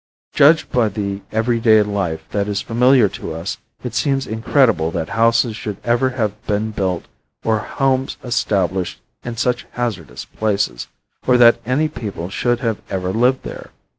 Judged by the everyday life that is familiar to us it seems incredible that houses should ever have been built or homes established in such hazardous places, or that any people should have ever lived there.